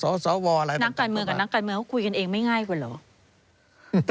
สวอะไรนักการเมืองกับนักการเมืองเขาคุยกันเองไม่ง่ายกว่าเหรอ